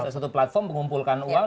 satu platform pengumpulkan uang